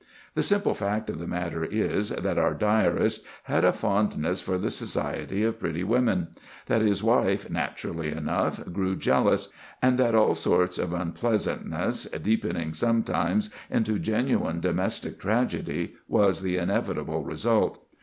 The simple fact of the matter is, that our diarist had a fondness for the society of pretty women; that his wife, naturally enough, grew jealous; and that all sorts of unpleasantness, deepening sometimes into genuine domestic tragedy, was the inevitable result.